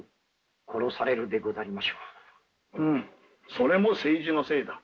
それも政治のせいだ。